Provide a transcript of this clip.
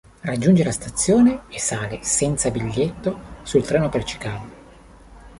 Raggiunge la stazione e sale senza biglietto sul treno per Chicago.